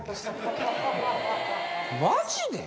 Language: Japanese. マジで？